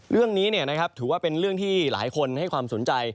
เรื่องนี้ถือว่าเป็นเรื่องที่หลายคนให้ความสนใจ